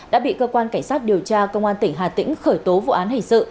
đã bị cơ quan cảnh sát điều tra công an tỉnh hà tĩnh khởi tố vụ án hình sự